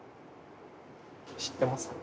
・知ってますか？